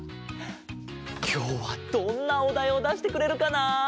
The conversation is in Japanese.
きょうはどんなおだいをだしてくれるかな？